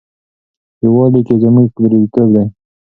یووالي کې زموږ بریالیتوب دی.